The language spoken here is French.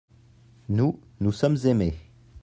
nous, nous sommes aimés.